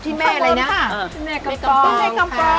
พี่แม่กำปลอม